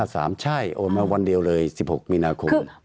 ใช่โอนมาวันเดียวเลย๑๖มีนาคม